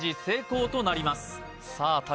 成功となりますさあ